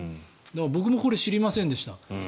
僕もこれ知りませんでした。